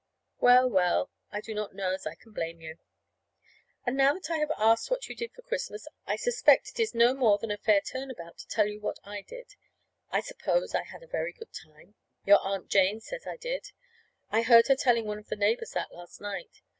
Well, well, I do not know as I can blame you. And now that I have asked what you did for Christmas, I suspect it is no more than a fair turnabout to tell you what I did. I suppose I had a very good time. Your Aunt Jane says I did. I heard her telling one of the neighbors that last night.